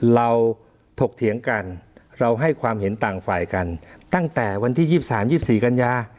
เราถกเถียงกันเราให้ความเห็นต่างฝ่ายกันตั้งแต่วันที่ยี่สิบสามยี่สิบสี่กัญญา